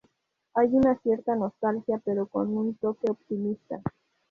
Hay una cierta nostalgia pero con un toque optimista.